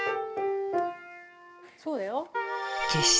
そうだよ。